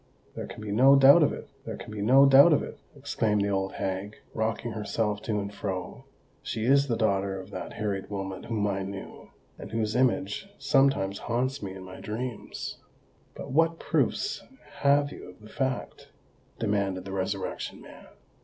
"There can be no doubt of it—there can be no doubt of it," exclaimed the old hag, rocking herself to and fro. "She is the daughter of that Harriet Wilmot whom I knew, and whose image sometimes haunts me in my dreams." "But what proofs have you of the fact?" demanded the Resurrection Man.